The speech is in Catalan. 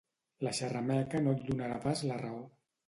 La xerrameca no et donarà pas la raó